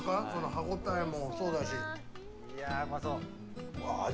歯応えも、そうだし。